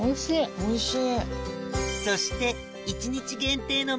おいしい。